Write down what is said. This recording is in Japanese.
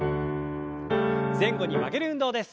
前後に曲げる運動です。